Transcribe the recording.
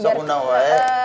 sop undang wah ya